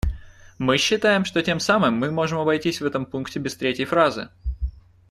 Мы считаем, что тем самым мы можем обойтись в этом пункте без третьей фразы.